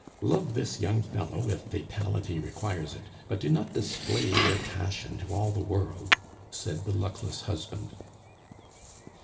"Love this young fellow if fatality requires it, but do not display your passion to all the world," said the luckless husband.